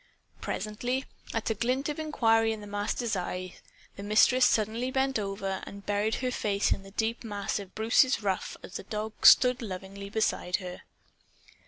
Presently, at a glint of inquiry in the Master's eye, the Mistress suddenly bent over and buried her face in the deep mass of Bruce's ruff as the dog stood lovingly beside her.